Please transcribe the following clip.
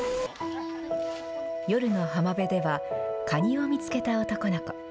夜の浜辺では、カニを見つけた男の子。